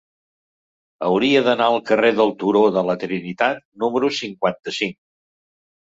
Hauria d'anar al carrer del Turó de la Trinitat número cinquanta-cinc.